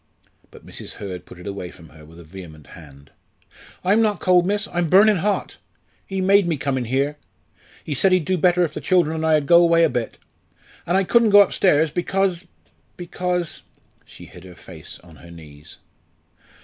But Mrs. Hurd put it away from her with a vehement hand. "I'm not cold, miss I'm burning hot. He made me come in here. He said he'd do better if the children and I ud go away a bit. An' I couldn't go upstairs, because because " she hid her face on her knees.